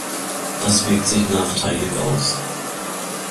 Das wirkt sich nachteilig aus.